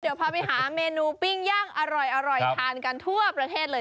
เดี๋ยวพาไปหาเมนูปิ้งย่างอร่อยทานกันทั่วประเทศเลย